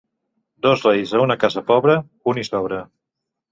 Dos reis a una casa pobra, un hi sobra.